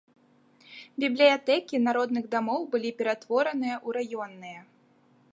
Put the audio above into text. Бібліятэкі народных дамоў былі ператвораныя ў раённыя.